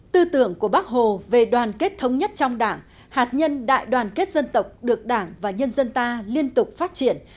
tư tưởng của bác hồ về đoàn kết thống nhất trong đảng hạt nhân đại đoàn kết dân tộc được đảng và nhân dân ta liên tục phát triển